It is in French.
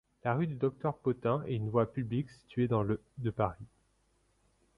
La rue du Docteur-Potain est une voie publique située dans le de Paris.